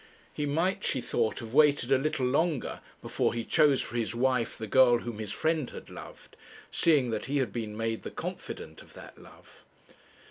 He might, she thought, have waited a little longer before he chose for his wife the girl whom his friend had loved, seeing that he had been made the confidant of that love.